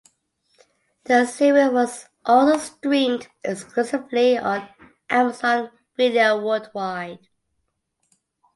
The series was also streamed exclusively on Amazon Video worldwide.